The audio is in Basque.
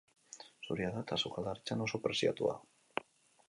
Zuria da eta sukaldaritzan oso preziatua.